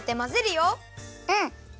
うん！